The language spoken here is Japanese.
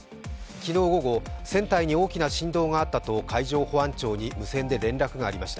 昨日午後、船体に大きな振動があったと海上保安庁に無線で連絡がありました。